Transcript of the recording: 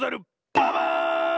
ババーン！